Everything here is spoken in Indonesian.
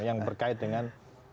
yang berkait dengan